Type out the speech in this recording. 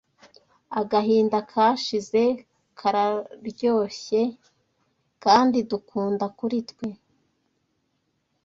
Agahinda kashize kararyoshye kandi dukunda kuri twe